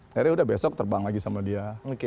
akhirnya udah besok terbang lagi sama dia